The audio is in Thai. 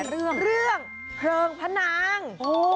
เรื่องเพลิงพนัง